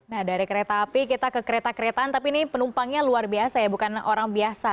nah dari kereta api kita ke kereta keretaan tapi ini penumpangnya luar biasa ya bukan orang biasa